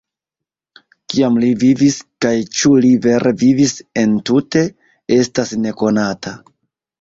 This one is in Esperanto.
Kiam li vivis, kaj ĉu li vere vivis entute, estas nekonata.